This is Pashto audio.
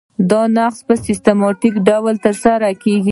دا نقض په سیستماتیک ډول ترسره کیږي.